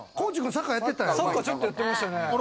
サッカーちょっとやってましたね。